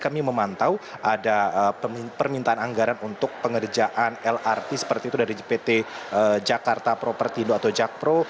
kami memantau ada permintaan anggaran untuk pengerjaan lrt seperti itu dari jpt jakarta propertindo atau jakpro